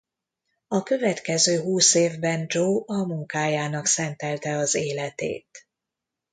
A következő húsz évben Joe a munkájának szentelte az életét.